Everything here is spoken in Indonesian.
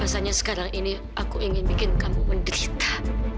rasanya sekarang ini aku ingin bikin kamu menderita